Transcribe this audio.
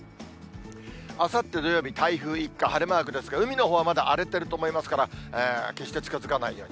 あさって土曜日、台風一過、晴れマークですけど、海のほうはまだ荒れてると思いますから、決して近づかないように。